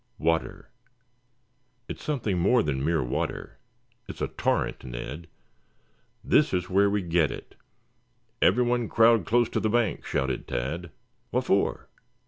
"Water." "It's something more than mere water. It's a torrent, Ned. This is where we get it. Everyone crowd close to the bank," shouted Tad. "What for?